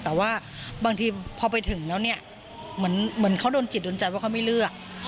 แต่ว่าบางทีพอไปถึงแล้วเนี่ยเหมือนเขาโดนจิตโดนใจว่าเขาไม่เลือก